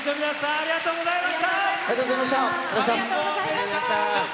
ありがとうございます。